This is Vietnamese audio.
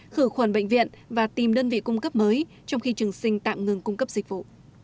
khử khuẩn bệnh viện và tìm đơn vị cung cấp mới trong khi trường sinh tạm ngừng cung cấp dịch vụ